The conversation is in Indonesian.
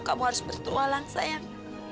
kamu harus bertualang sayang